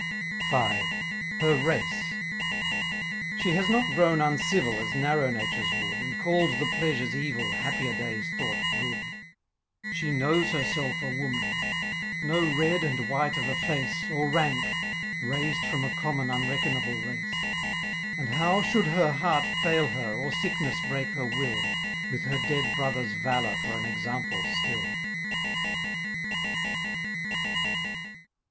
V HER RACE She has not grown uncivil As narrow natures would And called the pleasures evil Happier days thought good; She knows herself a woman No red and white of a face, Or rank, raised from a common Unreckonable race; And how should her heart fail her Or sickness break her will With her dead brother's valour For an example still.